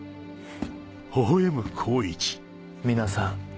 皆さん。